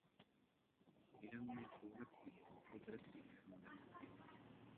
علم میں دولت بھی ہے ،قدرت بھی ہے ،لذت بھی ہے